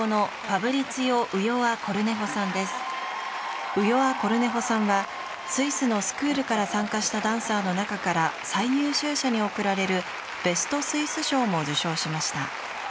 １人目はウヨア・コルネホさんはスイスのスクールから参加したダンサーの中から最優秀者に贈られる「ベスト・スイス賞」も受賞しました。